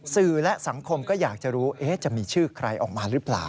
สื่อและสังคมก็อยากจะรู้จะมีชื่อใครออกมาหรือเปล่า